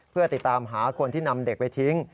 เพื่อติดตามหาคนที่นำเด็กไปทิ้ง